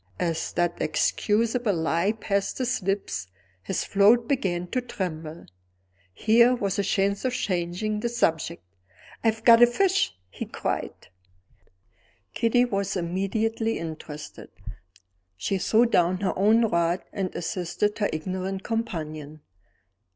As that excusable lie passed his lips, his float began to tremble. Here was a chance of changing the subject "I've got a fish!" he cried. Kitty was immediately interested. She threw down her own rod, and assisted her ignorant companion.